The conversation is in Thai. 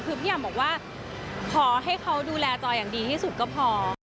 คือพี่อำบอกว่าขอให้เขาดูแลจอยอย่างดีที่สุดก็พอ